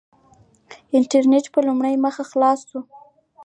د انټرنېټ په لومړۍ مخ خلاصه وه.